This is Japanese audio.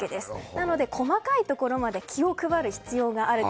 なので細かいところまで気を配る必要があると。